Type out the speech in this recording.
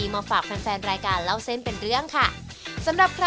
ขอประคุณคุณแม่มากนะ